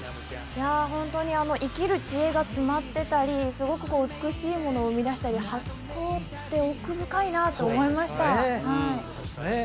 いやホントに生きる知恵が詰まってたりすごくこう美しいものを生み出したり発酵って奥深いなと思いましたそうですね